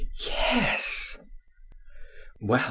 "Yes." "Well!